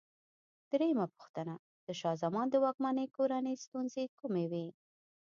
درېمه پوښتنه: د شاه زمان د واکمنۍ کورنۍ ستونزې کومې وې؟